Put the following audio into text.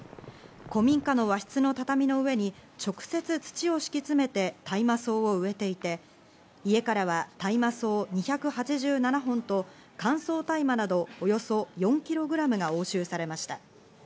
古民家の和室の畳の上に、直接土を敷き詰めて大麻草を植えていて、家からは大麻草２８７本と乾燥大麻などおよそ４ｋｇが押収されました。